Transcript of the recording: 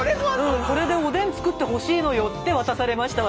これでおでん作ってほしいのよって渡されました私。